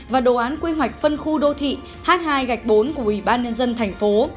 và đồ án quy hoạch phân khu đô thị h hai gạch bốn của ủy ban nhân dân thành phố